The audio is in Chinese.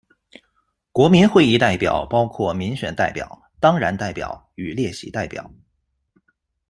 国民会议代表包括民选代表、当然代表与列席代表。